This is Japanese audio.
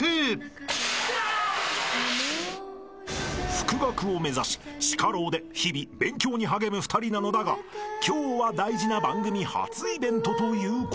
［復学を目指し地下牢で日々勉強に励む２人なのだが今日は大事な番組初イベントということで］